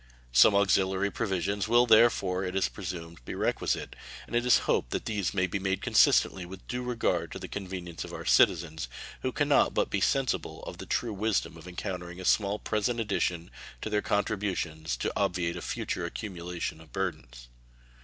Some auxiliary provisions will therefore, it is presumed, be requisite, and it is hoped that these may be made consistently with a due regard to the convenience of our citizens, who can not but be sensible of the true wisdom of encountering a small present addition to their contributions to obviate a future accumulation of burthens.